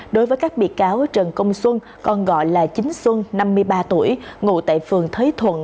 đối với các bị cáo trần công xuân còn gọi là chính xuân năm mươi ba tuổi ngụ tại phường thới thuận